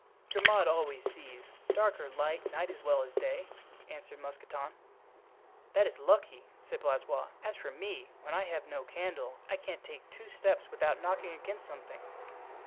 "Grimaud always sees, dark or light, night as well as day," answered Mousqueton. "That is lucky," said Blaisois. "As for me, when I have no candle I can't take two steps without knocking against something."